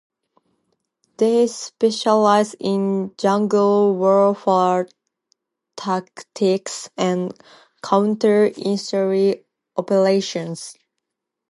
They specialize in jungle warfare tactics and counter-insurgency operations.